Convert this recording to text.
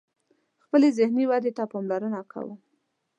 خپلی ذهنی ودي ته پاملرنه کوم